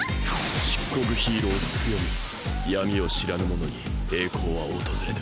漆黒ヒーローツクヨミ闇を知らぬ者に栄光は訪れぬ。